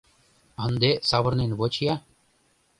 — Ынде савырнен воч-я!